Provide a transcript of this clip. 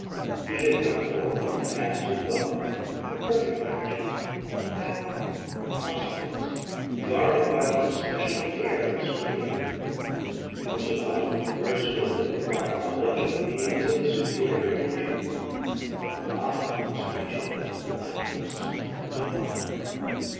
He had come forth from the hands of God a perfect creature, happy and prosperous, guarded by the especial care of his Creator; he was allowed to converse with, and acquire knowledge from, beings of a superior nature: but I was wretched, helpless, and alone.